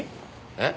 えっ？